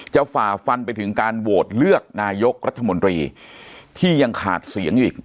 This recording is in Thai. ฝ่าฟันไปถึงการโหวตเลือกนายกรัฐมนตรีที่ยังขาดเสียงอีก